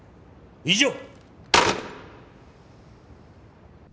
以上！